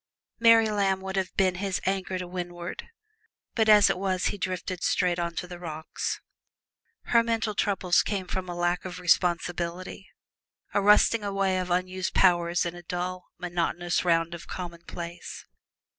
Mary Lamb would have been his anchor to win'ard, but as it was he drifted straight on to the rocks. Her mental troubles came from a lack of responsibility a rusting away of unused powers in a dull, monotonous round of commonplace.